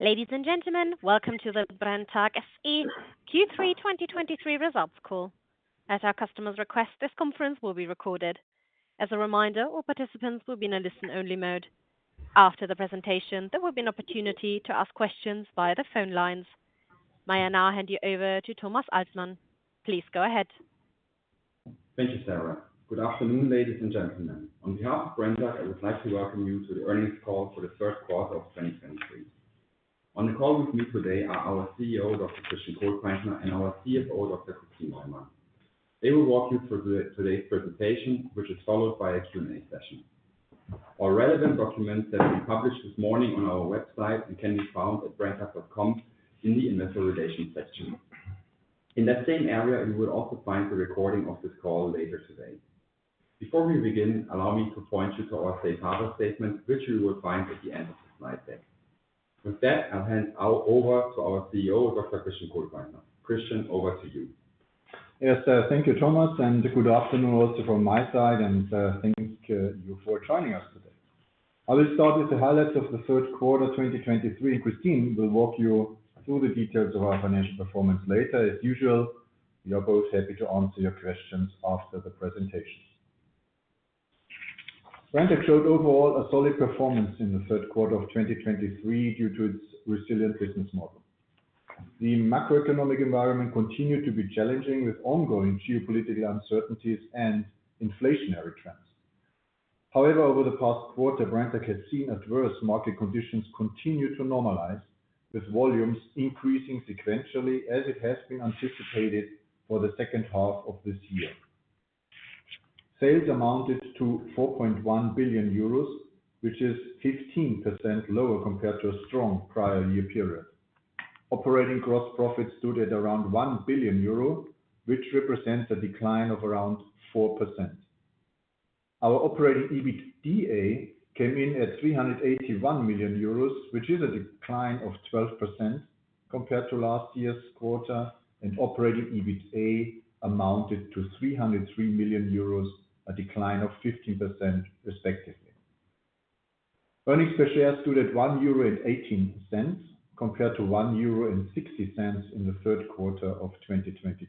Ladies and gentlemen, welcome to the Brenntag SE Q3 2023 results call. At our customer's request, this conference will be recorded. As a reminder, all participants will be in a listen-only mode. After the presentation, there will be an opportunity to ask questions via the phone lines. May I now hand you over to Thomas Altmann? Please go ahead. Thank you, Sarah. Good afternoon, ladies and gentlemen. On behalf of Brenntag, I would like to welcome you to the earnings call for the first quarter of 2023. On the call with me today are our CEO, Dr. Christian Kohlpaintner, and our CFO, Dr. Kristin Neumann. They will walk you through today's presentation, which is followed by a Q&A session. All relevant documents have been published this morning on our website and can be found at brenntag.com in the investor relations section. In that same area, you will also find the recording of this call later today. Before we begin, allow me to point you to our safe harbor statement, which you will find at the end of the slide deck. With that, I'll hand over to our CEO, Dr. Christian Kohlpaintner. Christian, over to you. Yes, thank you, Thomas, and good afternoon also from my side, and thank you for joining us today. I will start with the highlights of the third quarter, 2023, and Kristin will walk you through the details of our financial performance later. As usual, we are both happy to answer your questions after the presentation. Brenntag showed overall a solid performance in the third quarter of 2023 due to its resilient business model. The macroeconomic environment continued to be challenging, with ongoing geopolitical uncertainties and inflationary trends. However, over the past quarter, Brenntag has seen adverse market conditions continue to normalize, with volumes increasing sequentially as it has been anticipated for the second half of this year. Sales amounted to 4.1 billion euros, which is 15% lower compared to a strong prior year period. Operating gross profits stood at around 1 billion euro, which represents a decline of around 4%. Our operating EBITDA came in at 381 million euros, which is a decline of 12% compared to last year's quarter, and operating EBITDA amounted to 303 million euros, a decline of 15%, respectively. Earnings per share stood at 1.18 euro, compared to 1.60 euro in the third quarter of 2022.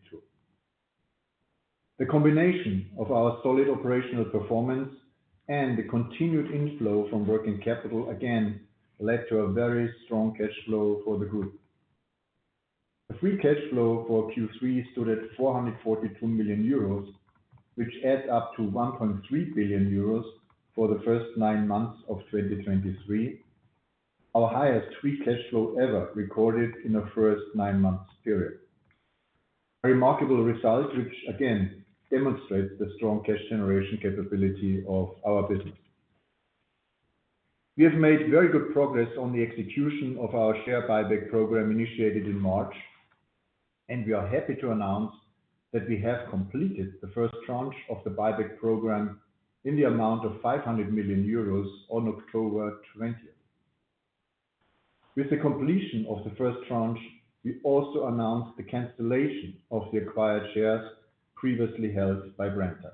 The combination of our solid operational performance and the continued inflow from working capital again led to a very strong cash flow for the group. The free cash flow for Q3 stood at 442 million euros, which adds up to 1.3 billion euros for the first nine months of 2023, our highest free cash flow ever recorded in the first nine months period. A remarkable result, which again demonstrates the strong cash generation capability of our business. We have made very good progress on the execution of our share buyback program initiated in March, and we are happy to announce that we have completed the first tranche of the buyback program in the amount of 500 million euros on October 20. With the completion of the first tranche, we also announced the cancellation of the acquired shares previously held by Brenntag.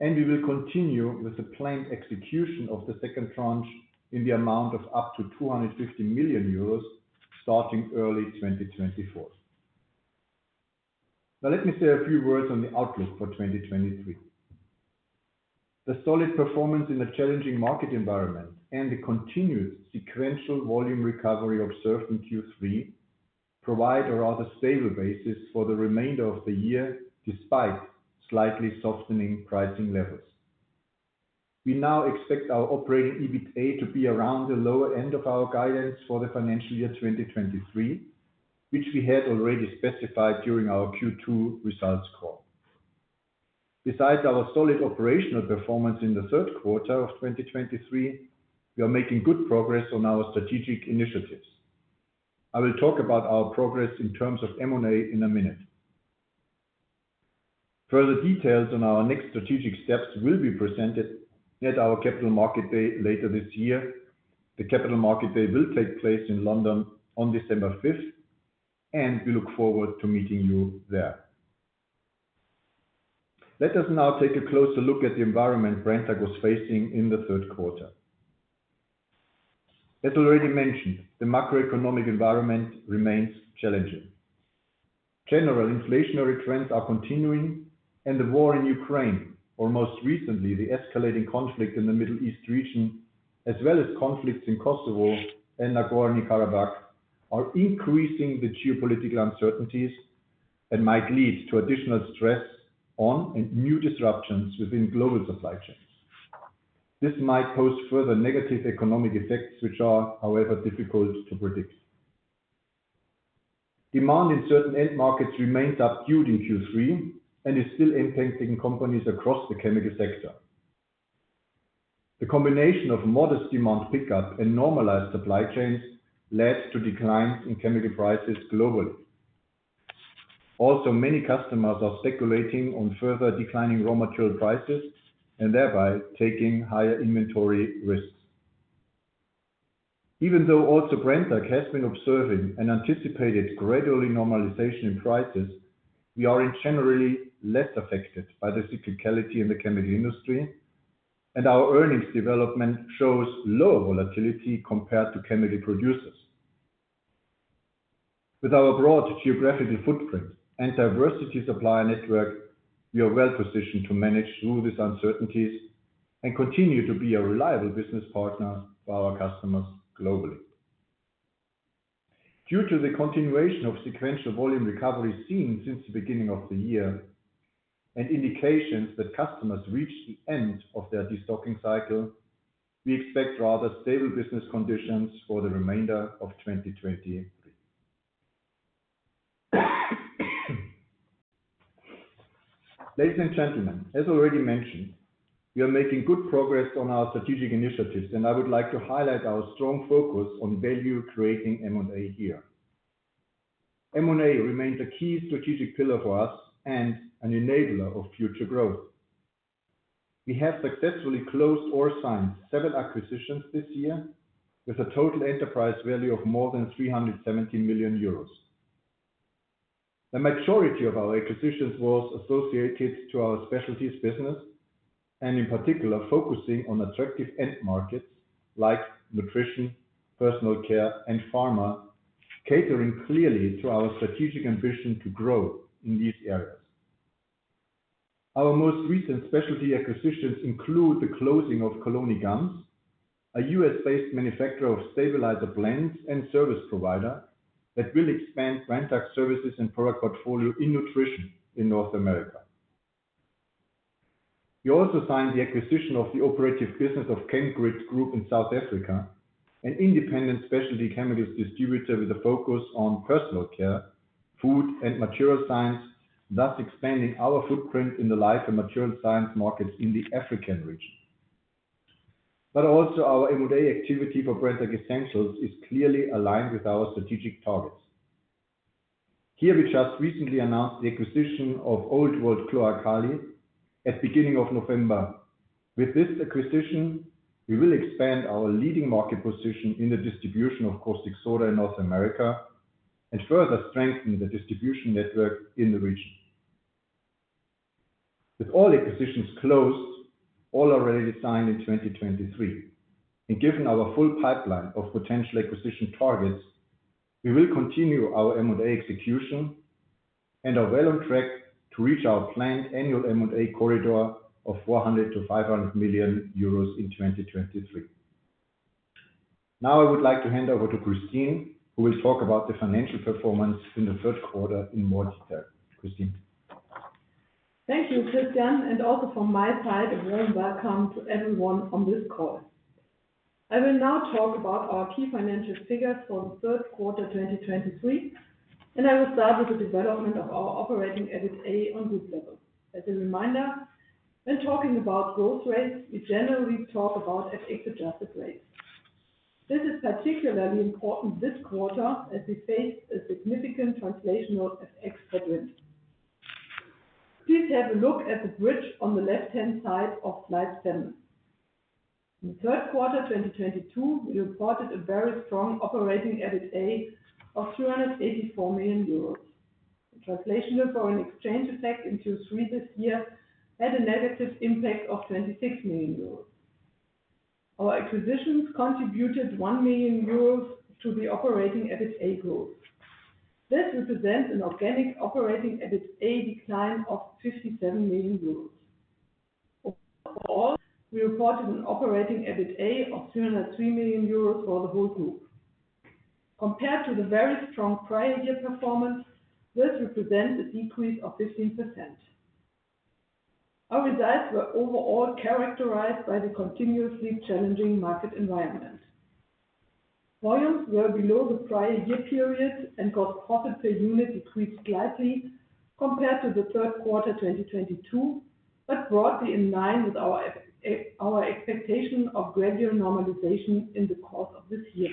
We will continue with the planned execution of the second tranche in the amount of up to 250 million euros, starting early 2024. Now, let me say a few words on the outlook for 2023. The solid performance in a challenging market environment and the continued sequential volume recovery observed in Q3 provide a rather stable basis for the remainder of the year, despite slightly softening pricing levels. We now expect our operating EBITDA to be around the lower end of our guidance for the financial year 2023, which we had already specified during our Q2 results call. Besides our solid operational performance in the third quarter of 2023, we are making good progress on our strategic initiatives. I will talk about our progress in terms of M&A in a minute. Further details on our next strategic steps will be presented at our Capital Market Day later this year. The Capital Market Day will take place in London on December fifth, and we look forward to meeting you there. Let us now take a closer look at the environment Brenntag was facing in the third quarter. As already mentioned, the macroeconomic environment remains challenging. General inflationary trends are continuing, and the war in Ukraine, or most recently, the escalating conflict in the Middle East region, as well as conflicts in Kosovo and Nagorno-Karabakh, are increasing the geopolitical uncertainties and might lead to additional stress on and new disruptions within global supply chains. This might pose further negative economic effects, which are, however, difficult to predict. Demand in certain end markets remained subdued in Q3 and is still impacting companies across the chemical sector. The combination of modest demand pickup and normalized supply chains led to declines in chemical prices globally. Also, many customers are speculating on further declining raw material prices and thereby taking higher inventory risks. Even though also Brenntag has been observing and anticipated gradually normalization in prices, we are in generally less affected by the cyclicality in the chemical industry, and our earnings development shows low volatility compared to chemical producers. With our broad geographical footprint and diversity supply network, we are well-positioned to manage through these uncertainties and continue to be a reliable business partner for our customers globally. Due to the continuation of sequential volume recovery seen since the beginning of the year, and indications that customers reach the end of their destocking cycle, we expect rather stable business conditions for the remainder of 2023. Ladies and gentlemen, as already mentioned, we are making good progress on our strategic initiatives, and I would like to highlight our strong focus on value creating M&A here. M&A remains a key strategic pillar for us and an enabler of future growth. We have successfully closed or signed seven acquisitions this year, with a total enterprise value of more than 370 million euros. The majority of our acquisitions was associated to our specialties business, and in particular, focusing on attractive end markets like nutrition, personal care, and pharma, catering clearly to our strategic ambition to grow in these areas. Our most recent specialty acquisitions include the closing of Colony Gums, a U.S.-based manufacturer of stabilizer blends and service provider, that will expand Brenntag services and product portfolio in nutrition in North America. We also signed the acquisition of the operative business of Chemgrid Group in South Africa, an independent specialty chemicals distributor with a focus on personal care, food, and Material Science, thus expanding our footprint in the life and Material Science markets in the African region. But also our M&A activity for Brenntag Essentials is clearly aligned with our strategic targets. Here, we just recently announced the acquisition of Old World Chlor Alkali at beginning of November. With this acquisition, we will expand our leading market position in the distribution of caustic soda in North America, and further strengthen the distribution network in the region. With all acquisitions closed, all already signed in 2023, and given our full pipeline of potential acquisition targets, we will continue our M&A execution and are well on track to reach our planned annual M&A corridor of 400 million-500 million euros in 2023. Now, I would like to hand over to Kristin, who will talk about the financial performance in the first quarter in more detail. Kristin? Thank you, Christian, and also from my side, a warm welcome to everyone on this call. I will now talk about our key financial figures for the third quarter, 2023, and I will start with the development of our operating EBITDA on this level. As a reminder, when talking about growth rates, we generally talk about FX-adjusted rates. This is particularly important this quarter, as we face a significant translational FX headwind. Please have a look at the bridge on the left-hand side of slide 7. In the third quarter, 2022, we reported a very strong operating EBITDA of 384 million euros. The translational foreign exchange effect into three this year, had a negative impact of 26 million euros. Our acquisitions contributed 1 million euros to the operating EBITDA growth. This represents an organic operating EBITDA decline of 57 million euros. Overall, we reported an operating EBITDA of 203 million euros for the whole group. Compared to the very strong prior year performance, this represents a decrease of 15%. Our results were overall characterized by the continuously challenging market environment. Volumes were below the prior year period, and gross profit per unit decreased slightly compared to the third quarter, 2022, but broadly in line with our expectation of gradual normalization in the course of this year.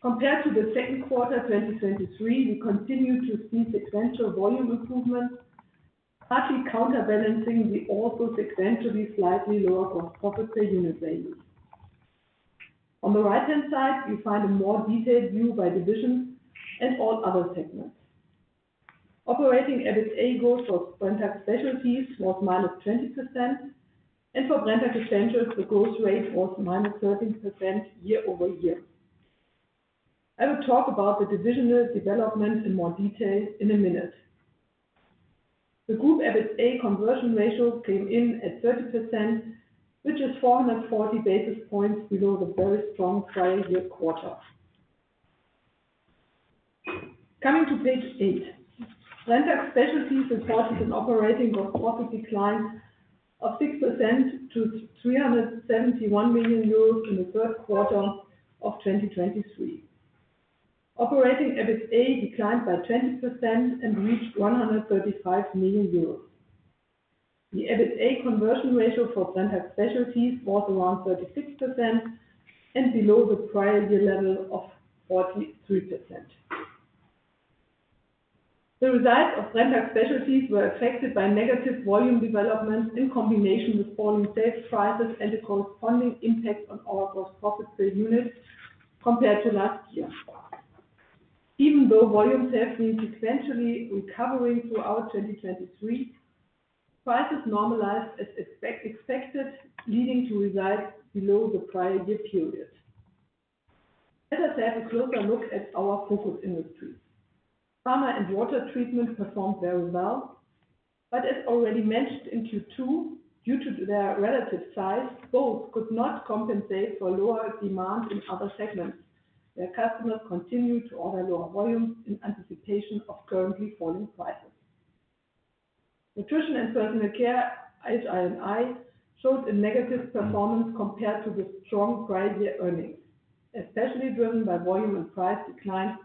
Compared to the second quarter, 2023, we continue to see sequential volume improvements, partly counterbalancing the also sequentially slightly lower gross profit per unit values. On the right-hand side, you find a more detailed view by division and all other segments. Operating EBITDA growth for Brenntag Specialties was -20%, and for Brenntag Essentials, the growth rate was -13% year-over-year. I will talk about the divisional development in more detail in a minute. The group EBITDA conversion ratio came in at 30%, which is 440 basis points below the very strong prior year quarter. Coming to page eight. Brenntag Specialties reported an operating gross profit decline of 6% to 371 million euros in the first quarter of 2023. Operating EBITDA declined by 20% and reached 135 million euros. The EBITDA conversion ratio for Brenntag Specialties was around 36% and below the prior year level of 43%. The results of Brenntag Specialties were affected by negative volume developments in combination with falling sales prices and the corresponding impact on our gross profit per unit compared to last year.... Even though volume sales sequentially recovering throughout 2023, prices normalized as expected, leading to results below the prior year period. Let us have a closer look at our focus industries. Pharma and Water Treatment performed very well, but as already mentioned in Q2, due to their relative size, both could not compensate for lower demand in other segments, where customers continued to order lower volumes in anticipation of currently falling prices. Nutrition and Personal Care, HI&I, showed a negative performance compared to the strong prior year earnings, especially driven by volume and price declines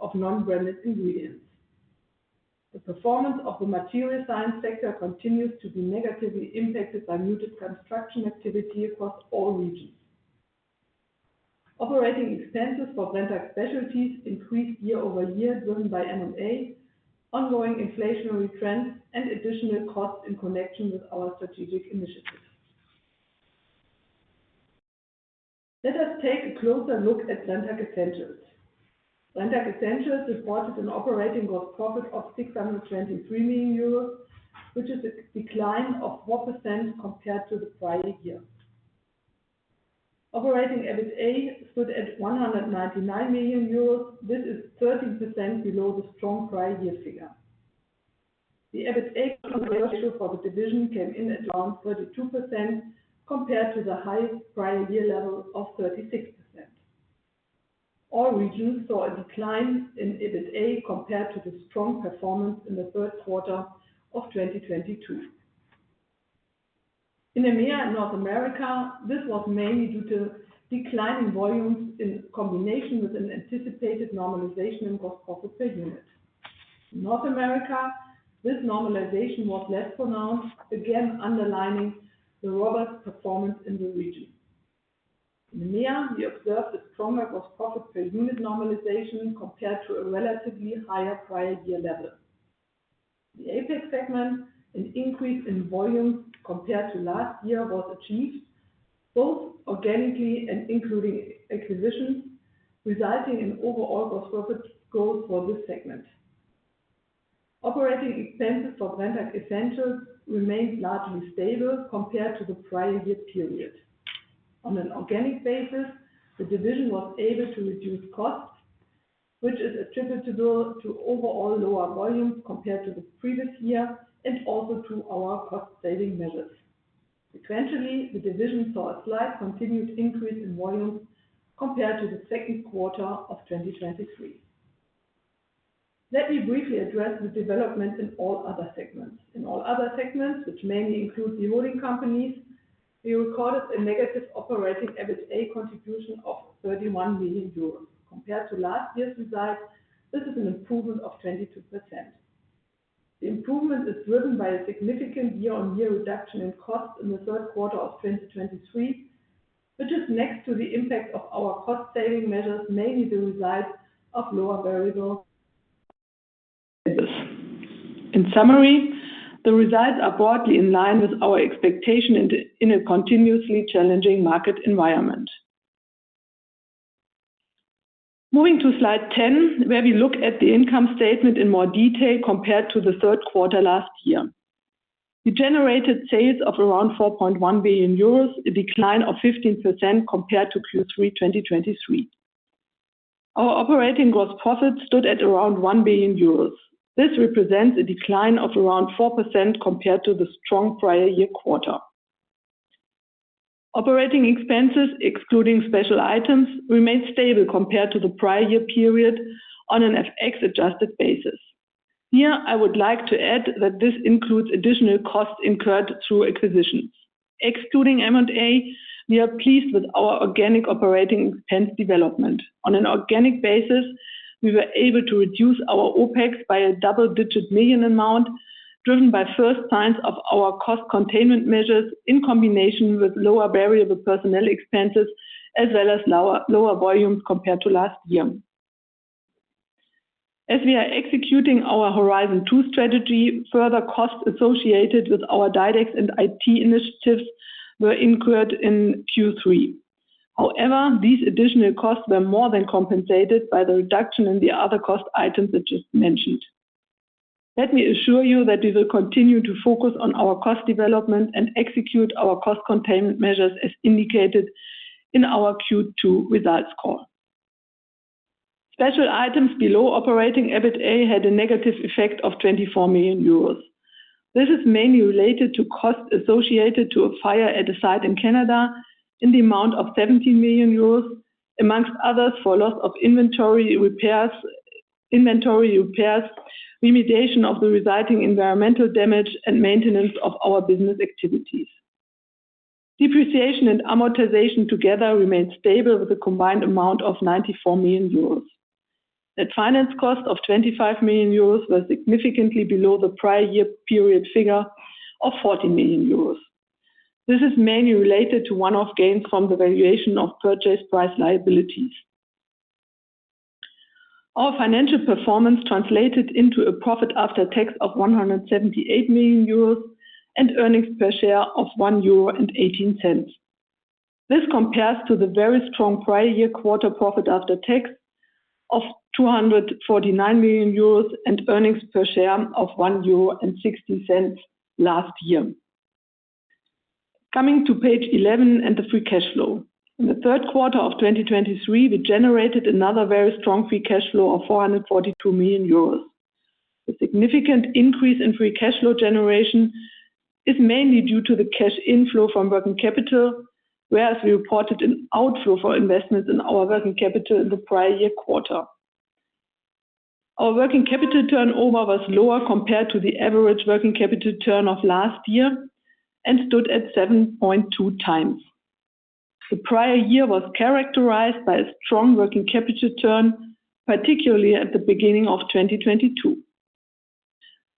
of non-branded ingredients. The performance of the Saterial Science sector continues to be negatively impacted by muted construction activity across all regions. Operating expenses for Brenntag Specialties increased year-over-year, driven by M&A, ongoing inflationary trends, and additional costs in connection with our strategic initiatives. Let us take a closer look at Brenntag Essentials. Brenntag Essentials reported an operating gross profit of 623 million euros, which is a decline of 4% compared to the prior year. Operating EBITDA stood at 199 million euros. This is 13% below the strong prior year figure. The EBITDA conversion for the division came in at around 32%, compared to the highest prior year level of 36%. All regions saw a decline in EBITDA compared to the strong performance in the third quarter of 2022. In EMEA and North America, this was mainly due to declining volumes in combination with an anticipated normalization in gross profit per unit. North America, this normalization was less pronounced, again, underlining the robust performance in the region. EMEA, we observed a stronger gross profit per unit normalization compared to a relatively higher prior year level. The APAC segment, an increase in volume compared to last year, was achieved both organically and including acquisitions, resulting in overall gross profit growth for this segment. Operating expenses for Brenntag Essentials remained largely stable compared to the prior year period. On an organic basis, the division was able to reduce costs, which is attributable to overall lower volumes compared to the previous year and also to our cost-saving measures. Sequentially, the division saw a slight continued increase in volume compared to the second quarter of 2023. Let me briefly address the development in all other segments. In all other segments, which mainly include the holding companies, we recorded a negative operating EBITDA contribution of 31 million euros. Compared to last year's results, this is an improvement of 22%. The improvement is driven by a significant year-on-year reduction in costs in the third quarter of 2023, which is next to the impact of our cost-saving measures, mainly the result of lower variable. In summary, the results are broadly in line with our expectation in a continuously challenging market environment. Moving to slide 10, where we look at the income statement in more detail compared to the third quarter last year. We generated sales of around 4.1 billion euros, a decline of 15% compared to Q3 2022. Our operating gross profit stood at around 1 billion euros. This represents a decline of around 4% compared to the strong prior year quarter. Operating expenses, excluding special items, remained stable compared to the prior year period on an FX-adjusted basis. Here, I would like to add that this includes additional costs incurred through acquisitions. Excluding M&A, we are pleased with our organic operating expense development. On an organic basis, we were able to reduce our OpEx by a double-digit million EUR amount, driven by first signs of our cost containment measures in combination with lower variable personnel expenses, as well as lower volumes compared to last year. As we are executing our Horizon Two strategy, further costs associated with our DiDEX and IT initiatives were incurred in Q3. However, these additional costs were more than compensated by the reduction in the other cost items I just mentioned. Let me assure you that we will continue to focus on our cost development and execute our cost containment measures as indicated in our Q2 results call. Special items below operating EBITDA had a negative effect of 24 million euros. This is mainly related to costs associated to a fire at a site in Canada in the amount of 17 million euros, among others, for loss of inventory, repairs, inventory repairs, remediation of the resulting environmental damage, and maintenance of our business activities. Depreciation and amortization together remained stable with a combined amount of 94 million euros. Net finance cost of 25 million euros was significantly below the prior year period figure of 40 million euros. This is mainly related to one-off gains from the valuation of purchase price liabilities. Our financial performance translated into a profit after tax of 178 million euros and earnings per share of 1.18 euro.... This compares to the very strong prior year quarter profit after tax of 249 million euros, and earnings per share of 1.60 euro last year. Coming to page 11 and the free cash flow. In the third quarter of 2023, we generated another very strong free cash flow of 442 million euros. The significant increase in free cash flow generation is mainly due to the cash inflow from working capital, whereas we reported an outflow for investments in our working capital in the prior year quarter. Our working capital turnover was lower compared to the average working capital turn of last year, and stood at 7.2 times. The prior year was characterized by a strong working capital turn, particularly at the beginning of 2022.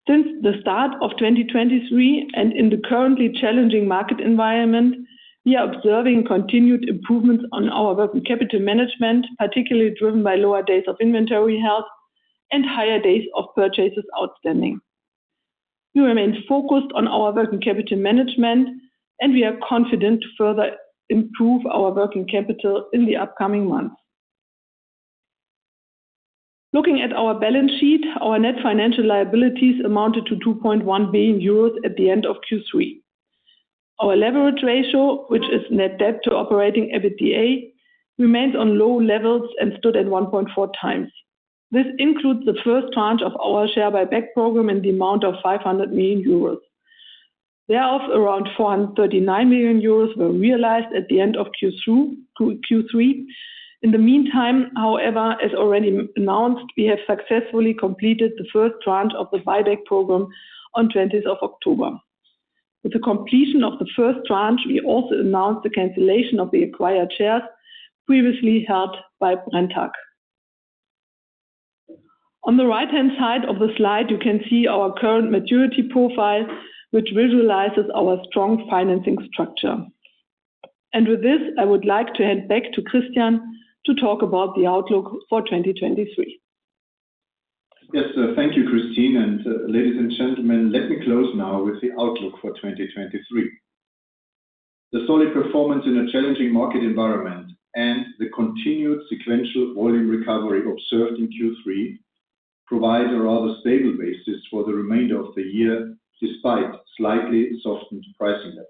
Since the start of 2023, and in the currently challenging market environment, we are observing continued improvements on our working capital management, particularly driven by lower days of inventory held and higher days of purchases outstanding. We remain focused on our working capital management, and we are confident to further improve our working capital in the upcoming months. Looking at our balance sheet, our net financial liabilities amounted to 2.1 billion euros at the end of Q3. Our leverage ratio, which is net debt to operating EBITDA, remains on low levels and stood at 1.4 times. This includes the first tranche of our share buyback program in the amount of 500 million euros. Thereof, around 439 million euros were realized at the end of Q2-Q3. In the meantime, however, as already announced, we have successfully completed the first tranche of the buyback program on October 20. With the completion of the first tranche, we also announced the cancellation of the acquired shares previously held by Brenntag. On the right-hand side of the slide, you can see our current maturity profile, which visualizes our strong financing structure. With this, I would like to hand back to Christian to talk about the outlook for 2023. Yes, thank you, Kristin, and ladies and gentlemen, let me close now with the outlook for 2023. The solid performance in a challenging market environment and the continued sequential volume recovery observed in Q3 provide a rather stable basis for the remainder of the year, despite slightly softened pricing levels.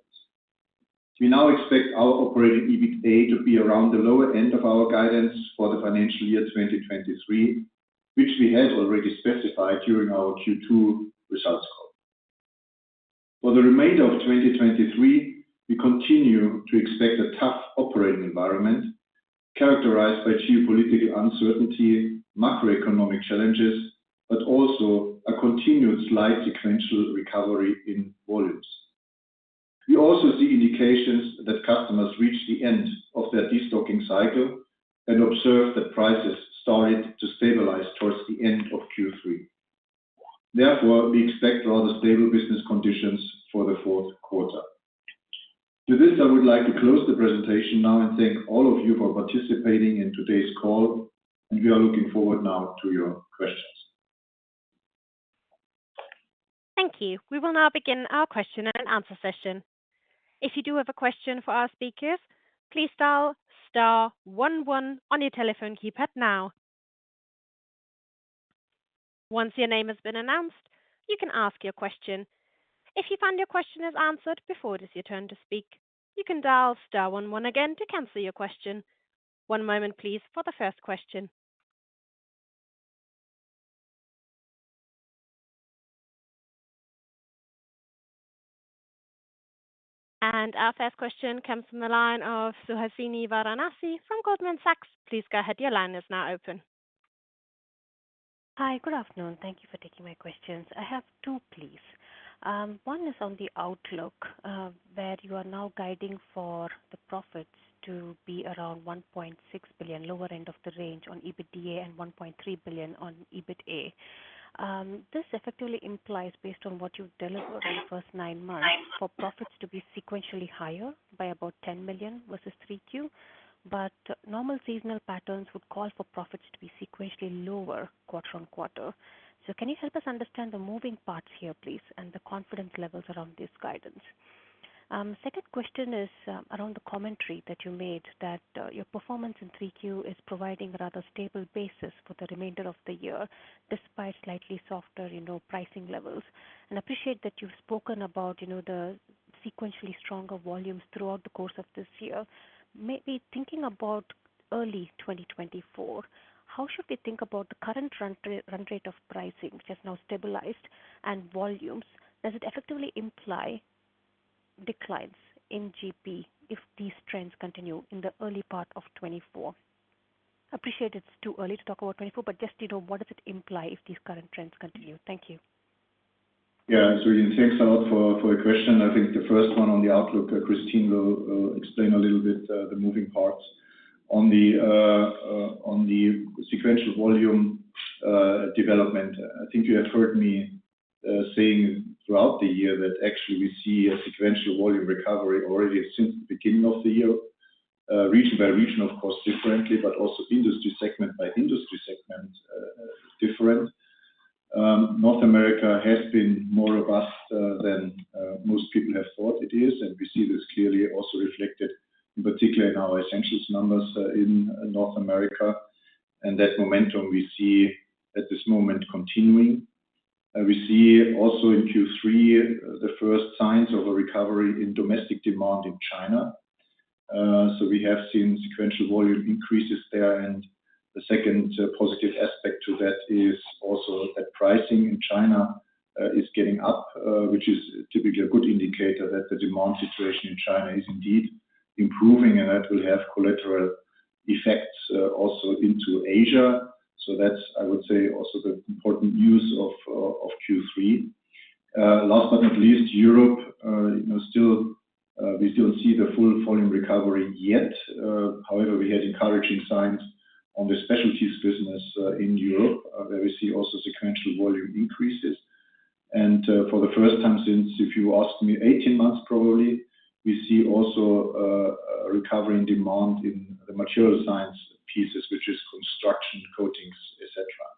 We now expect our operating EBITDA to be around the lower end of our guidance for the financial year 2023, which we had already specified during our Q2 results call. For the remainder of 2023, we continue to expect a tough operating environment characterized by geopolitical uncertainty, macroeconomic challenges, but also a continued slight sequential recovery in volumes. We also see indications that customers reach the end of their destocking cycle and observe that prices started to stabilize towards the end of Q3. Therefore, we expect rather stable business conditions for the fourth quarter. To this, I would like to close the presentation now and thank all of you for participating in today's call, and we are looking forward now to your questions. Thank you. We will now begin our question and answer session. If you do have a question for our speakers, please dial star one one on your telephone keypad now. Once your name has been announced, you can ask your question. If you find your question is answered before it is your turn to speak, you can dial star one one again to cancel your question. One moment, please, for the first question. Our first question comes from the line of Suhasini Varanasi from Goldman Sachs. Please go ahead, your line is now open. Hi, good afternoon. Thank you for taking my questions. I have two, please. One is on the outlook, where you are now guiding for the profits to be around 1.6 billion, lower end of the range on EBITDA, and 1.3 billion on EBITDA. This effectively implies, based on what you've delivered in the first nine months, for profits to be sequentially higher by about 10 million versus Q3. But normal seasonal patterns would call for profits to be sequentially lower quarter on quarter. So can you help us understand the moving parts here, please, and the confidence levels around this guidance? Second question is around the commentary that you made, that your performance in Q3 is providing a rather stable basis for the remainder of the year, despite slightly softer, you know, pricing levels. I appreciate that you've spoken about, you know, the sequentially stronger volumes throughout the course of this year. Maybe thinking about early 2024, how should we think about the current run rate of pricing, which has now stabilized, and volumes? Does it effectively imply declines in GP if these trends continue in the early part of 2024? I appreciate it's too early to talk about 2024, but just, you know, what does it imply if these current trends continue? Thank you. Yeah, Suhasini, thanks a lot for your question. I think the first one on the outlook, Kristin will explain a little bit the moving parts. On the sequential volume development, I think you have heard me saying throughout the year that actually we see a sequential volume recovery already since the beginning of the year, region by region, of course, differently, but also industry segment by industry segment, different. North America has been more robust than most people have thought it is, and we see this clearly also reflected in particular in our Essentials numbers in North America. That momentum we see at this moment continuing. We see also in Q3 the first signs of a recovery in domestic demand in China. So we have seen sequential volume increases there, and the second positive aspect to that is also that pricing in China is getting up, which is typically a good indicator that the demand situation in China is indeed improving, and that will have collateral effects also into Asia. So that's, I would say, also the important news of Q3. Last but not least, Europe, you know, still, we still don't see the full volume recovery yet. However, we had encouraging signs on the specialties business in Europe, where we see also sequential volume increases. And, for the first time since, if you ask me, eighteen months, probably, we see also a recovery in demand in the Material Science pieces, which is construction, coatings, et cetera.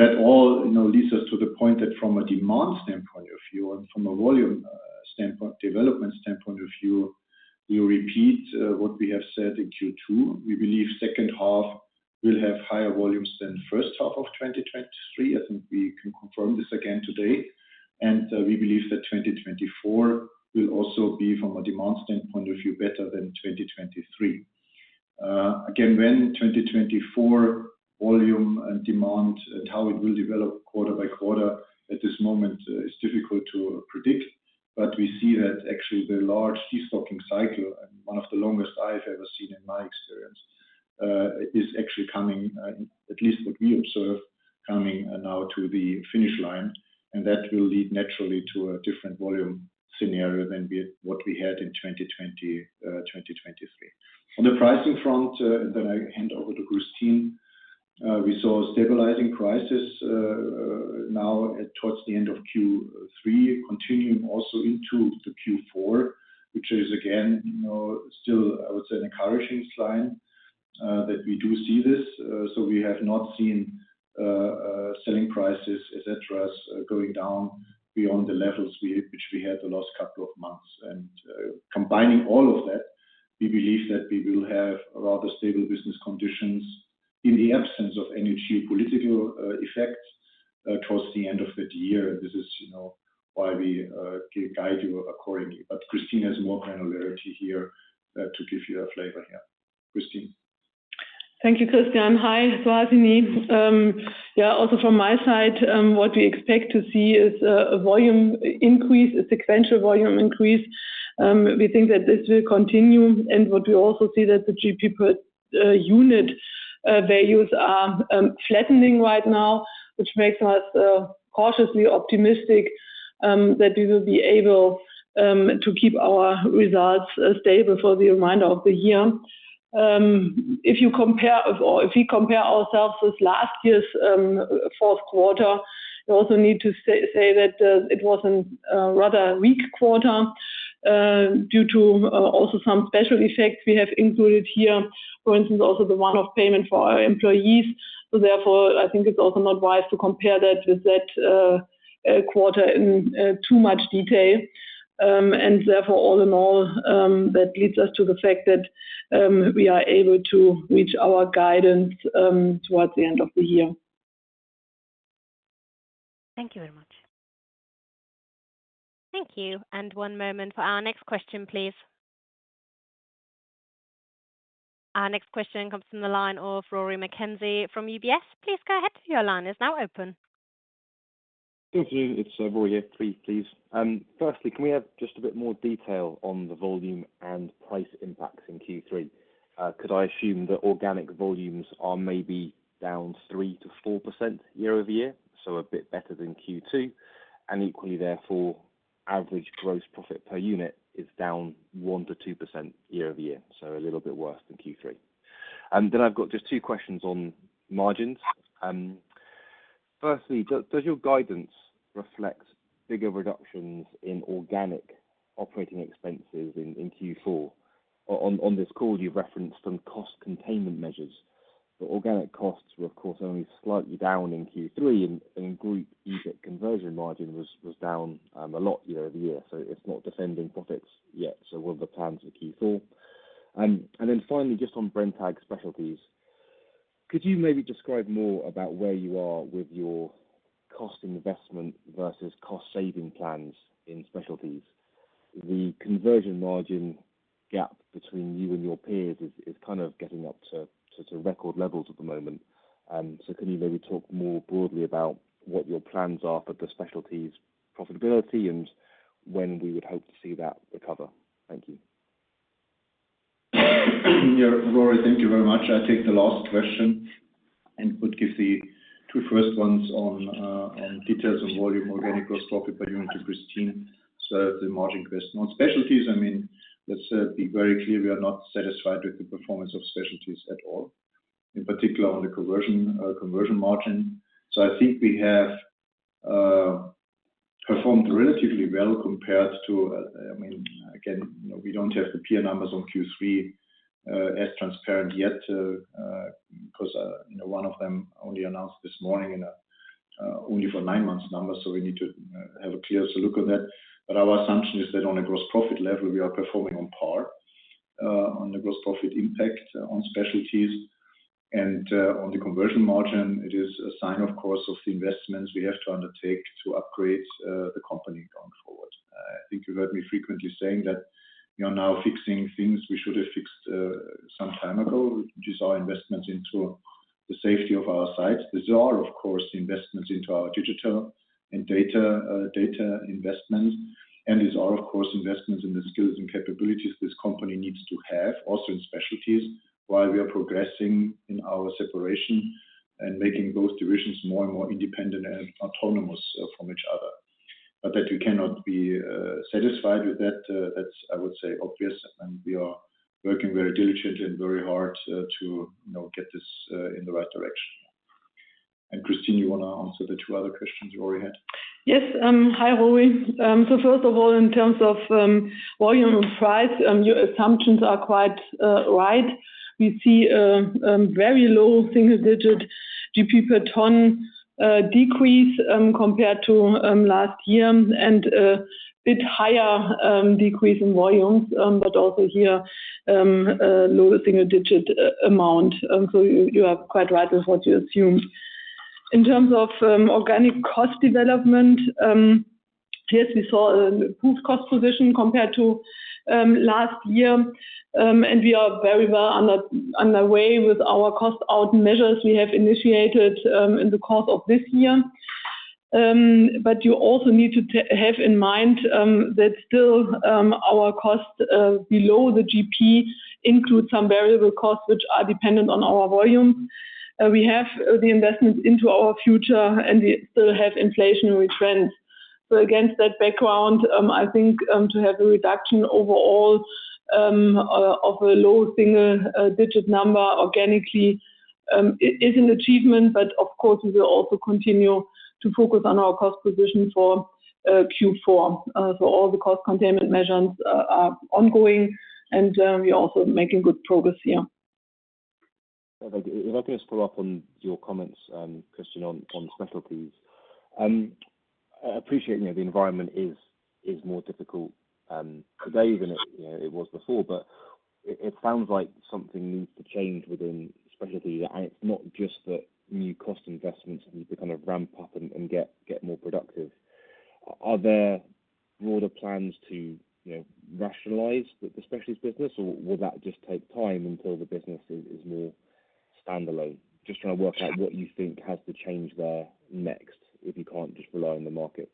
That all, you know, leads us to the point that from a demand standpoint of view and from a volume standpoint, development standpoint of view, we repeat what we have said in Q2. We believe second half will have higher volumes than first half of 2023. I think we can confirm this again today, and we believe that 2024 will also be, from a demand standpoint of view, better than 2023. Again, when 2024 volume and demand and how it will develop quarter by quarter at this moment is difficult to predict, but we see that actually the large destocking cycle, and one of the longest I've ever seen in my experience, is actually coming, at least what we observe, coming now to the finish line, and that will lead naturally to a different volume scenario than we... What we had in 2023. On the pricing front, then I hand over to Kristin. We saw stabilizing prices, now towards the end of Q3, continuing also into the Q4, which is, again, you know, still, I would say, an encouraging sign, that we do see this. So we have not seen, selling prices, et cetera, going down beyond the levels we, which we had the last couple of months. And, combining all of that, we believe that we will have rather stable business conditions in the absence of any geopolitical, effects, towards the end of the year. This is, you know, why we, guide you accordingly. But Kristin has more granularity here, to give you a flavor here. Kristin? Thank you, Christian. Hi, Suhasini. Yeah, also from my side, what we expect to see is a volume increase, a sequential volume increase. We think that this will continue, and what we also see that the GP per unit values are flattening right now, which makes us cautiously optimistic that we will be able to keep our results stable for the remainder of the year. If you compare or if we compare ourselves with last year's fourth quarter, we also need to say, say that it was a rather weak quarter due to also some special effects we have included here, for instance, also the one-off payment for our employees. So therefore, I think it's also not wise to compare that with that quarter in too much detail. Therefore, all in all, that leads us to the fact that we are able to reach our guidance towards the end of the year. Thank you very much. Thank you, and one moment for our next question, please. Our next question comes from the line of Rory McKenzie, from UBS. Please go ahead. Your line is now open. Good afternoon, it's Rory here. Three, please. Firstly, can we have just a bit more detail on the volume and price impacts in Q3? Could I assume that organic volumes are maybe down 3%-4% year-over-year, so a bit better than Q2, and equally, therefore, average gross profit per unit is down 1%-2% year-over-year, so a little bit worse than Q3? And then I've got just two questions on margins. Firstly, does your guidance reflect bigger reductions in organic operating expenses in Q4? On this call, you've referenced some cost containment measures, but organic costs were, of course, only slightly down in Q3, and group EBITDA conversion margin was down a lot year-over-year, so it's not defending profits yet. So what are the plans for Q4? And then finally, just on Brenntag Specialties, could you maybe describe more about where you are with your cost investment versus cost-saving plans in Specialties? The conversion margin gap between you and your peers is kind of getting up to sort of record levels at the moment. So can you maybe talk more broadly about what your plans are for the Specialties profitability and when we would hope to see that recover? Thank you. Yeah, Rory, thank you very much. I'll take the last question and would give the two first ones on, on details on volume, organic growth, profit per unit to Kristin. So the margin question. On Specialties, I mean, let's, be very clear, we are not satisfied with the performance of Specialties at all, in particular on the conversion, conversion margin. So I think we have, performed relatively well compared to, I mean, again, you know, we don't have the peer numbers on Q3, as transparent yet, because, you know, one of them only announced this morning in a, only for nine months numbers, so we need to have a clear look on that. But our assumption is that on a gross profit level, we are performing on par, on the gross profit impact on specialties. On the conversion margin, it is a sign, of course, of the investments we have to undertake to upgrade the company going forward. I think you've heard me frequently saying that we are now fixing things we should have fixed some time ago, which is our investments into the safety of our sites. These are, of course, investments into our digital and data investment, and these are, of course, investments in the skills and capabilities this company needs to have, also in specialties, while we are progressing in our separation and making those divisions more and more independent and autonomous from each other. But that we cannot be satisfied with that, that's, I would say, obvious, and we are working very diligently and very hard to you know get this in the right direction. Kristin, you want to answer the two other questions you already had? Yes. Hi, Rory. So first of all, in terms of volume and price, your assumptions are quite right. We see very low single digit GP per ton decrease compared to last year, and a bit higher decrease in volumes, but also here a low single digit amount. So you are quite right with what you assumed. In terms of organic cost development, yes, we saw an improved cost position compared to last year. And we are very well on the way with our cost out measures we have initiated in the course of this year. But you also need to have in mind that still our costs below the GP include some variable costs, which are dependent on our volume. We have the investment into our future, and we still have inflationary trends. So against that background, I think to have a reduction overall of a low single-digit number organically is an achievement, but of course, we will also continue to focus on our cost position for Q4. So all the cost containment measures are ongoing, and we are also making good progress here. If I can just follow up on your comments, Christian, on specialties. I appreciate, you know, the environment is more difficult today than it, you know, it was before, but it sounds like something needs to change within specialties, and it's not just that new cost investments need to kind of ramp up and get more productive. Are there broader plans to, you know, rationalize the specialties business, or will that just take time until the business is more standalone? Just trying to work out what you think has to change there next, if you can't just rely on the market.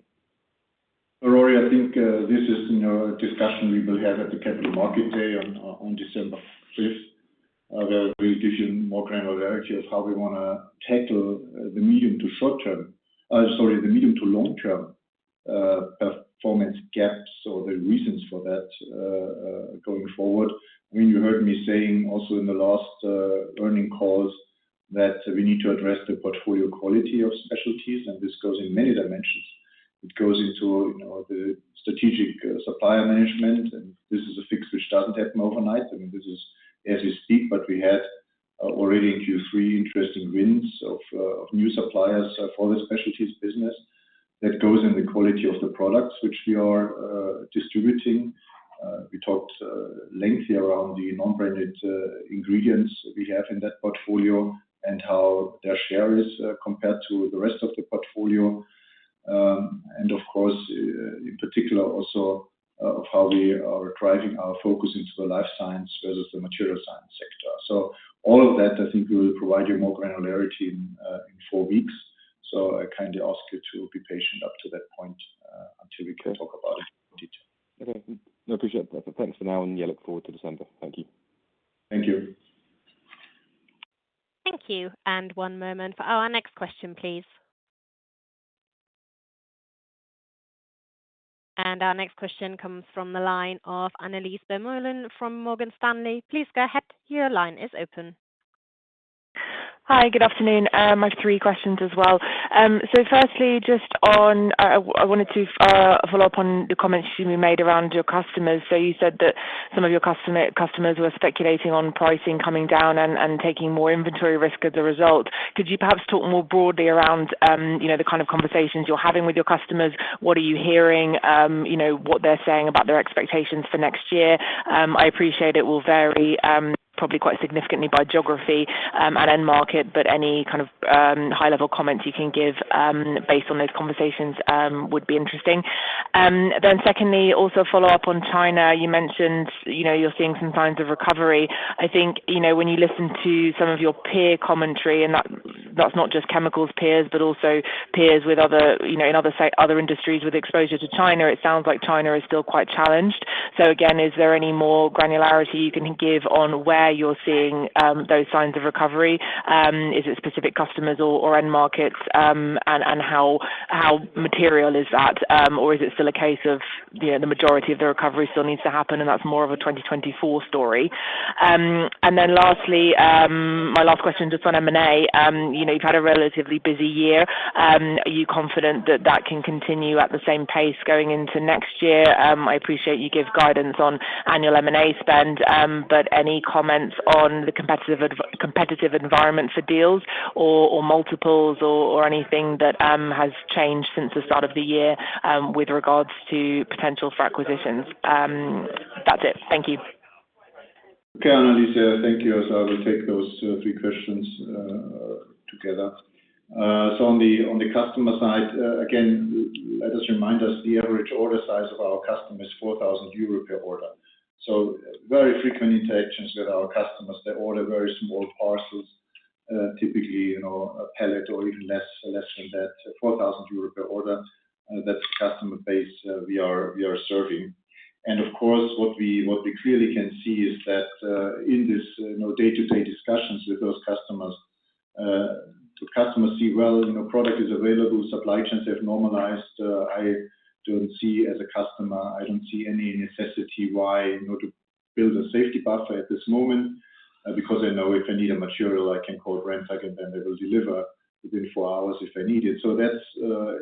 Rory, I think, this is, you know, a discussion we will have at the Capital Market Day on December fifth, where we give you more granularity of how we want to tackle the medium to short term, sorry, the medium to long term, performance gaps or the reasons for that, going forward. I mean, you heard me saying also in the last earnings calls that we need to address the portfolio quality of specialties, and this goes in many dimensions. It goes into, you know, the strategic supplier management, and this is a fix which doesn't happen overnight. I mean, this is as you speak, but we had already in Q3 interesting wins of new suppliers for the specialties business. That goes in the quality of the products which we are distributing. We talked lengthy around the non-branded ingredients we have in that portfolio and how their share is compared to the rest of the portfolio. And of course in particular also of how we are driving our focus into the life sciences versus the Material Science sector. So all of that, I think we will provide you more granularity in four weeks. So I kindly ask you to be patient up to that point until we can talk about it in detail. Okay. I appreciate that. Thanks for now, and yeah, look forward to December. Thank you. Thank you. Thank you, and one moment for our next question, please. Our next question comes from the line of Annelies Vermeulen from Morgan Stanley. Please go ahead. Your line is open. Hi, good afternoon. I have three questions as well. So firstly, just on. I wanted to follow up on the comments you made around your customers. So you said that some of your customers were speculating on pricing coming down and taking more inventory risk as a result. Could you perhaps talk more broadly around, you know, the kind of conversations you're having with your customers? What are you hearing, you know, what they're saying about their expectations for next year? I appreciate it will vary, probably quite significantly by geography and end market, but any kind of high-level comments you can give, based on those conversations, would be interesting. Then secondly, also follow up on China. You mentioned, you know, you're seeing some signs of recovery. I think, you know, when you listen to some of your peer commentary, and that, that's not just chemicals peers, but also peers with other, you know, in other site- other industries with exposure to China, it sounds like China is still quite challenged. So again, is there any more granularity you can give on where you're seeing those signs of recovery? Is it specific customers or, or end markets? And, and how, how material is that? Or is it still a case of, you know, the majority of the recovery still needs to happen, and that's more of a 2024 story. And then lastly, my last question, just on M&A. You know, you've had a relatively busy year. Are you confident that that can continue at the same pace going into next year? I appreciate you give guidance on annual M&A spend, but any comments on the competitive environment for deals or, or multiples or, or anything that has changed since the start of the year, with regards to potential for acquisitions? That's it. Thank you.... Okay, Annelies, thank you. So I will take those three questions together. So on the customer side, again, let us remind us the average order size of our customer is 4,000 euro per order. So very frequent interactions with our customers. They order very small parcels, typically, you know, a pallet or even less, less than that, 4,000 euro per order. That's the customer base we are serving. And of course, what we clearly can see is that, in this, you know, day-to-day discussions with those customers, the customers see, well, you know, product is available, supply chains have normalized. I don't see as a customer, I don't see any necessity why, you know, to build a safety buffer at this moment, because I know if I need a material, I can call Brenntag, and then they will deliver within 4 hours if I need it. So that's,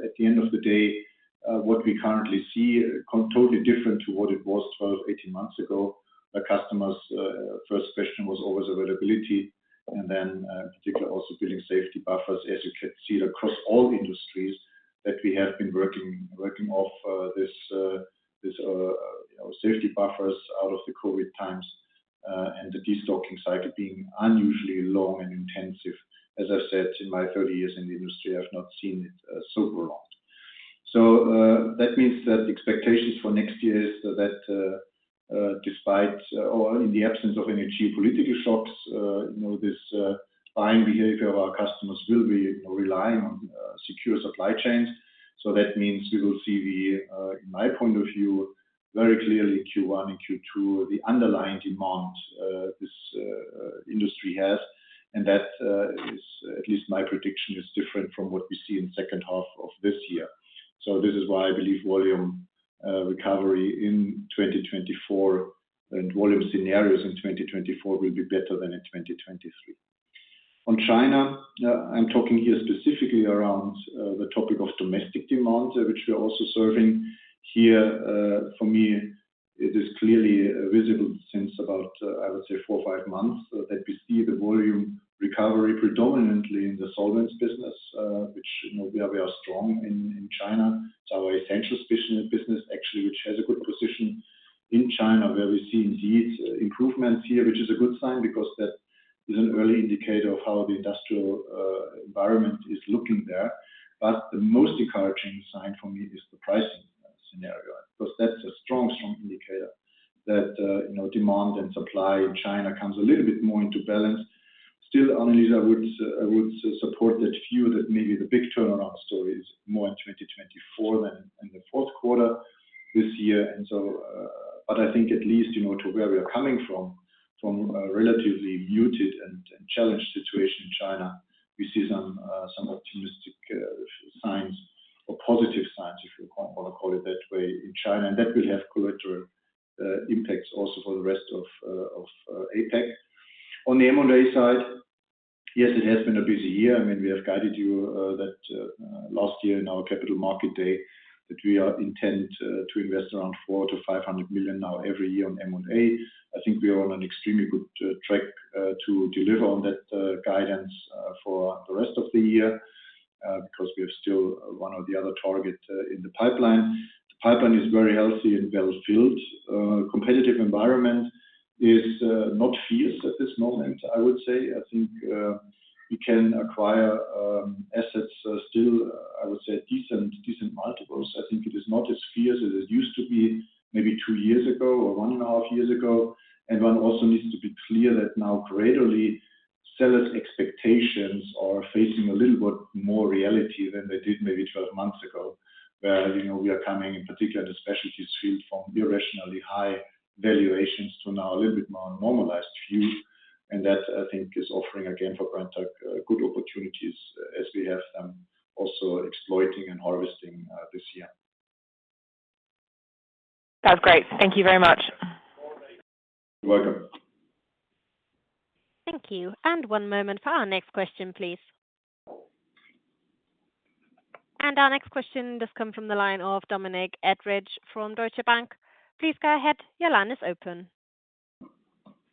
at the end of the day, what we currently see, totally different to what it was 12, 18 months ago. A customer's first question was always availability, and then, in particular, also building safety buffers, as you can see across all industries, that we have been working, working off, this, you know, safety buffers out of the COVID times, and the destocking cycle being unusually long and intensive. As I said, in my 30 years in the industry, I've not seen it so long. So, that means that the expectations for next year is that, despite or in the absence of any geopolitical shocks, you know, this buying behavior of our customers will be relying on secure supply chains. So that means we will see the, in my point of view, very clearly Q1 and Q2, the underlying demand this industry has, and that is at least my prediction, is different from what we see in second half of this year. So this is why I believe volume recovery in 2024 and volume scenarios in 2024 will be better than in 2023. On China, I'm talking here specifically around the topic of domestic demand, which we are also serving here. For me, it is clearly visible since about, I would say four or five months, that we see the volume recovery predominantly in the solvents business, which, you know, we are, we are strong in, in China. It's our essentials business, business, actually, which has a good position in China, where we see indeed improvements here, which is a good sign because that is an early indicator of how the industrial environment is looking there. But the most encouraging sign for me is the pricing scenario, because that's a strong, strong indicator that, you know, demand and supply in China comes a little bit more into balance. Still, Annelies, I would, I would support that view that maybe the big turnaround story is more in 2024 than in the fourth quarter this year. But I think at least, you know, to where we are coming from, from a relatively muted and challenged situation in China, we see some optimistic signs or positive signs, if you want to call it that way, in China, and that will have collateral impacts also for the rest of APAC. On the M&A side, yes, it has been a busy year. I mean, we have guided you that last year in our Capital Market Day, that we are intent to invest around 400 million-500 million now every year on M&A. I think we are on an extremely good track to deliver on that guidance for the rest of the year because we have still one or the other target in the pipeline. The pipeline is very healthy and well filled. Competitive environment is not fierce at this moment, I would say. I think we can acquire assets still, I would say, decent multiples. I think it is not as fierce as it used to be maybe two years ago or one and a half years ago. One also needs to be clear that now, gradually, sellers' expectations are facing a little bit more reality than they did maybe 12 months ago, where, you know, we are coming, in particular, the specialties field, from irrationally high valuations to now a little bit more normalized view. That, I think, is offering, again, for Brenntag, good opportunities as we have also exploiting and harvesting this year. That's great. Thank you very much. You're welcome. Thank you. And one moment for our next question, please. And our next question does come from the line of Dominic Edridge from Deutsche Bank. Please go ahead. Your line is open.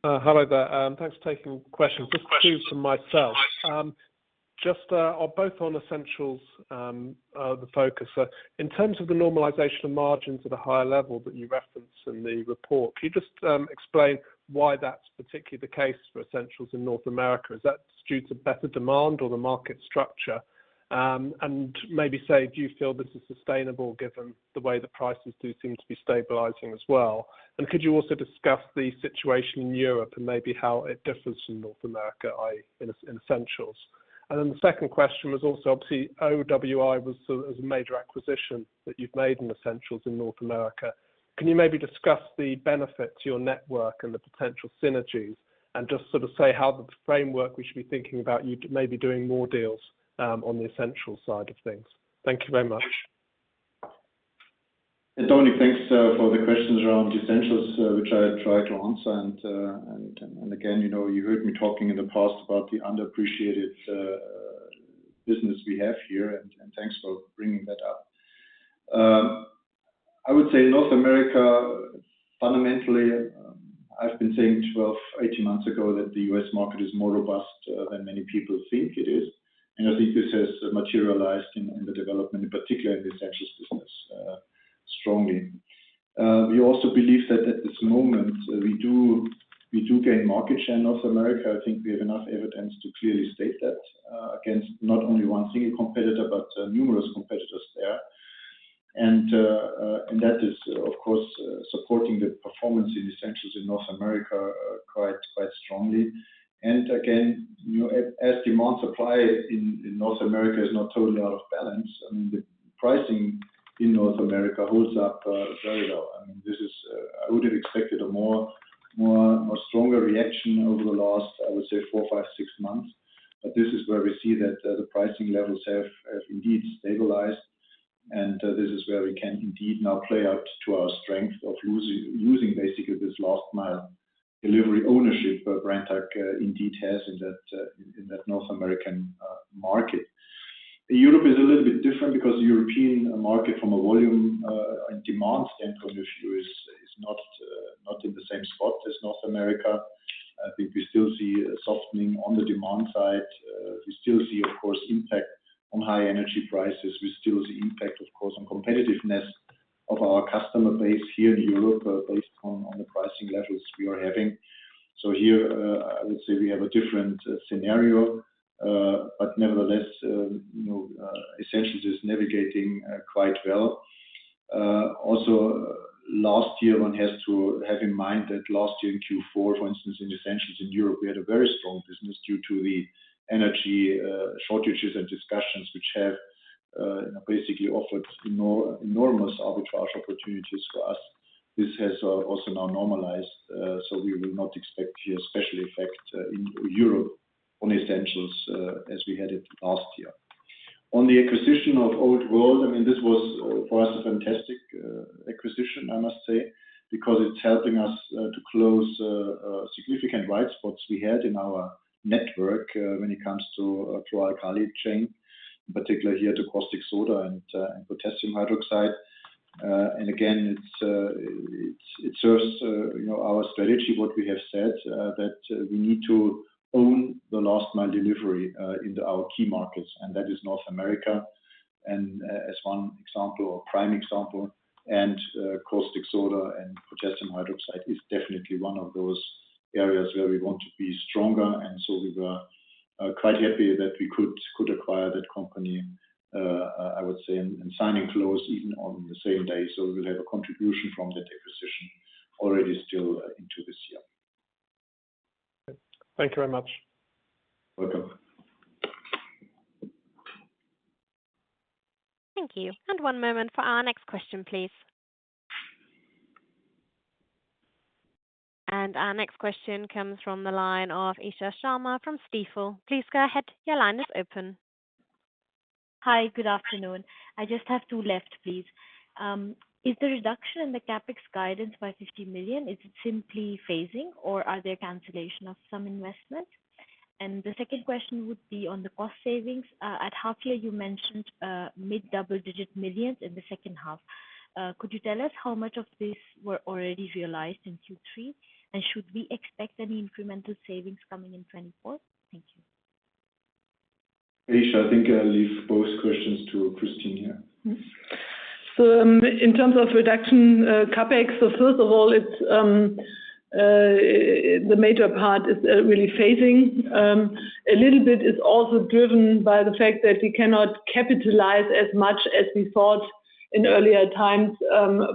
Hello there. Thanks for taking the question. Just two from myself. Just on both on Essentials, the focus. In terms of the normalization of margins at a higher level that you referenced in the report, can you just explain why that's particularly the case for Essentials in North America? Is that due to better demand or the market structure? And maybe say, do you feel this is sustainable given the way the prices do seem to be stabilizing as well? And could you also discuss the situation in Europe and maybe how it differs from North America, i.e., in Essentials? And then the second question was also, obviously, OWI was a major acquisition that you've made in Essentials in North America. Can you maybe discuss the benefit to your network and the potential synergies and just sort of say how the framework we should be thinking about you maybe doing more deals, on the essential side of things? Thank you very much. Hey, Dominic, thanks for the questions around essentials, which I try to answer. And again, you know, you heard me talking in the past about the underappreciated business we have here, and thanks for bringing that up. I would say North America, fundamentally, I've been saying 12, 18 months ago, that the U.S. market is more robust than many people think it is. And I think this has materialized in the development, in particular in the essentials business strongly. We also believe that at this moment, we gain market share in North America. I think we have enough evidence to clearly state that against not only one single competitor, but numerous competitors there. That is, of course, supporting the performance in Essentials in North America quite strongly. And again, you know, as demand supply in North America is not totally out of balance, I mean, the pricing in North America holds up very well. I mean, this is. I would have expected a more stronger reaction over the last, I would say, 4, 5, 6 months. But this is where we see that the pricing levels have indeed stabilized, and this is where we can indeed now play out to our strength of using basically this last mile delivery ownership that Brenntag indeed has in that North American market. Europe is a little bit different because the European market, from a volume and demand standpoint of view, is not in the same spot as North America. I think we still see a softening on the demand side. We still see, of course, impact on high energy prices. We still see impact, of course, on competitiveness of our customer base here in Europe, based on the pricing levels we are having. So here, I would say we have a different scenario, but nevertheless, you know, Essentials is navigating quite well. Also last year, one has to have in mind that last year in Q4, for instance, in Essentials in Europe, we had a very strong business due to the energy shortages and discussions, which have basically offered enormous arbitrage opportunities for us. This has also now normalized, so we will not expect a special effect in Europe on Essentials, as we had it last year. On the acquisition of Old World, I mean, this was for us, a fantastic acquisition, I must say, because it's helping us to close significant white spots we had in our network, when it comes to our alkali chain, in particular here, to caustic soda and potassium hydroxide. And again, it serves, you know, our strategy, what we have said, that we need to own the last mile delivery into our key markets, and that is North America. As one example or prime example, caustic soda and potassium hydroxide is definitely one of those areas where we want to be stronger, and so we were quite happy that we could acquire that company, I would say, in sign and close even on the same day. So we'll have a contribution from that acquisition already still into this year. Thank you very much. Welcome. Thank you. And one moment for our next question, please. And our next question comes from the line of Isha Sharma from Stifel. Please go ahead, your line is open. Hi, good afternoon. I just have two left, please. Is the reduction in the CapEx guidance by 50 million simply phasing or are there cancellation of some investment? And the second question would be on the cost savings. At half year, you mentioned mid-double-digit millions in the second half. Could you tell us how much of this were already realized in Q3? And should we expect any incremental savings coming in 2024? Thank you. Isha, I think I'll leave both questions to Kristin here. In terms of reduction, CapEx, first of all, it's the major part is really phasing. A little bit is also driven by the fact that we cannot capitalize as much as we thought in earlier times,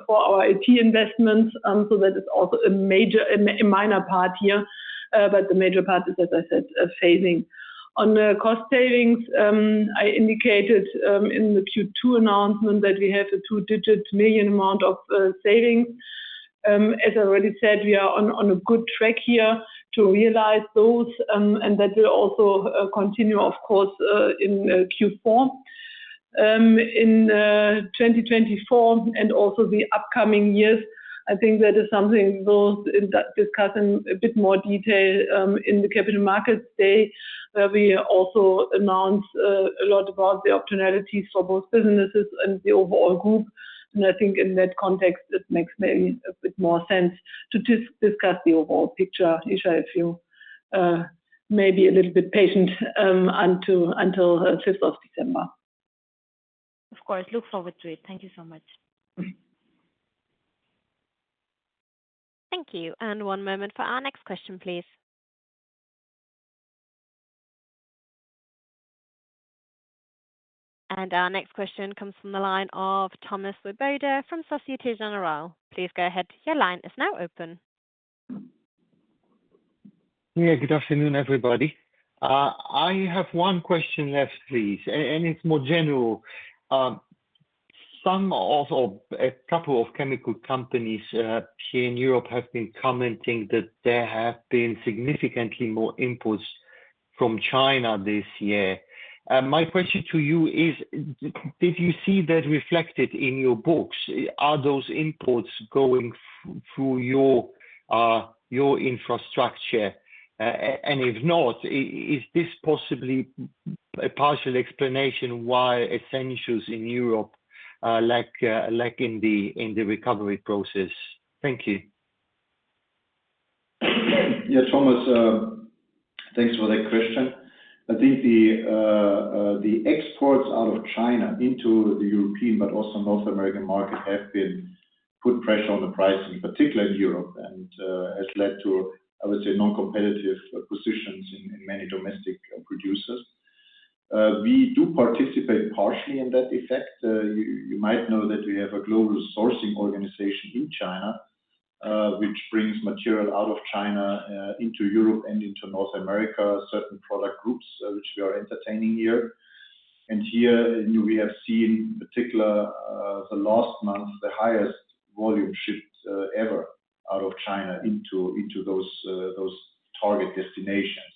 for our IT investments. So that is also a major... a minor part here, but the major part is, as I said, phasing. On the cost savings, I indicated, in the Q2 announcement that we have a two-digit million amount of savings. As I already said, we are on a good track here to realize those, and that will also continue, of course, in Q4. In 2024 and also the upcoming years, I think that is something we'll discuss in a bit more detail in the Capital Market Day, where we also announce a lot about the opportunities for both businesses and the overall group. I think in that context, it makes maybe a bit more sense to discuss the overall picture. Isha, if you maybe a little bit patient until December 5. Of course. Look forward to it. Thank you so much. Thank you. One moment for our next question, please. Our next question comes from the line of Thomas Swoboda from Société Générale. Please go ahead, your line is now open. Yeah, good afternoon, everybody. I have one question left, please, and it's more general. Some of, or a couple of chemical companies here in Europe have been commenting that there have been significantly more imports from China this year. My question to you is, did you see that reflected in your books? Are those imports going through your infrastructure? And if not, is this possibly a partial explanation why Essentials in Europe are lacking in the recovery process? Thank you.... Yes, Thomas, thanks for that question. I think the exports out of China into the European, but also North American market, have been put pressure on the price, in particular in Europe, and has led to, I would say, non-competitive positions in many domestic producers. We do participate partially in that effect. You might know that we have a global sourcing organization in China, which brings material out of China into Europe and into North America, certain product groups, which we are entertaining here. And here, we have seen, in particular, the last month, the highest volume shipped, ever out of China into those target destinations.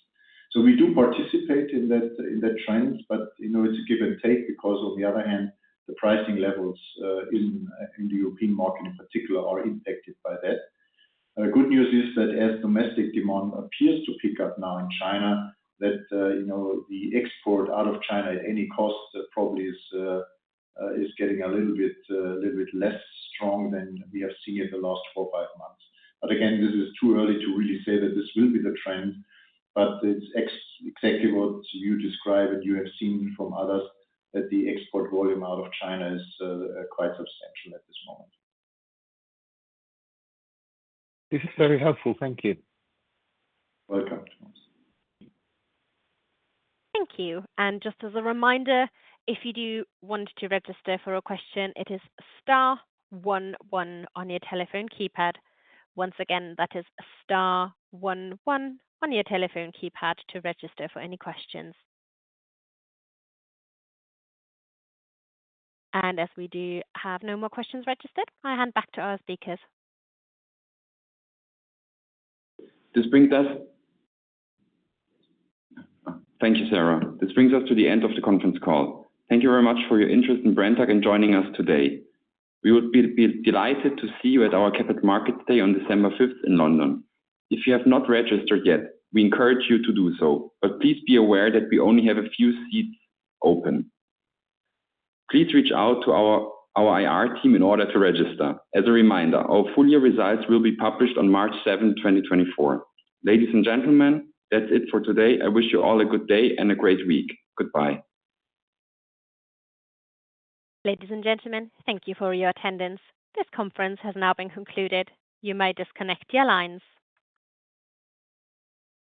So we do participate in that trend, but, you know, it's a give and take because on the other hand, the pricing levels in the European market in particular are impacted by that. The good news is that as domestic demand appears to pick up now in China, you know, the export out of China at any cost probably is getting a little bit less strong than we have seen in the last four or five months. But again, this is too early to really say that this will be the trend, but it's exactly what you describe, and you have seen from others, that the export volume out of China is quite substantial at this moment. This is very helpful. Thank you. Welcome, Thomas. Thank you. Just as a reminder, if you do want to register for a question, it is star one one on your telephone keypad. Once again, that is star one one on your telephone keypad to register for any questions. As we do have no more questions registered, I'll hand back to our speakers. This brings us... Thank you, Sarah. This brings us to the end of the conference call. Thank you very much for your interest in Brenntag and joining us today. We would be delighted to see you at our Capital Markets Day on December fifth in London. If you have not registered yet, we encourage you to do so, but please be aware that we only have a few seats open. Please reach out to our IR team in order to register. As a reminder, our full year results will be published on March seventh, 2024. Ladies and gentlemen, that's it for today. I wish you all a good day and a great week. Goodbye. Ladies and gentlemen, thank you for your attendance. This conference has now been concluded. You may disconnect your lines.